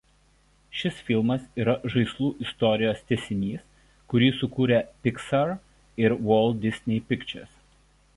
Šis filmas yra „Žaislų istorijos“ tęsinys kurį sukūrė „Pixar“ ir „Walt Disney Pictures“.